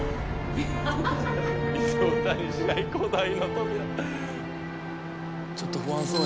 「“微動だにしない古代の扉”」